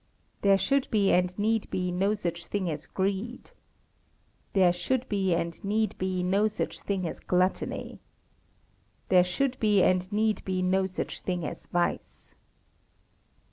There should be and need be no such thing as greed. There should be and need be no such thing as gluttony. There should be and need be no such thing as vice.